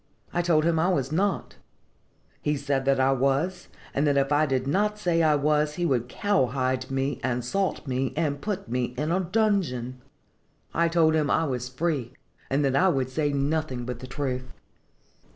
I told him I was not; he said that I was, and that if I did not say I was he would 'cowhide me and salt me, and put me in a dungeon.' I told him I was free, and that I would say nothing but the truth."